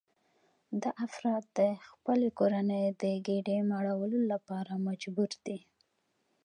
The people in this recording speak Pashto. دا افراد د خپلې کورنۍ د ګېډې مړولو لپاره مجبور دي